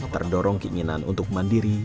terdorong keinginan untuk mandiri